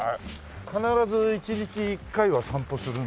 必ず１日１回は散歩するの？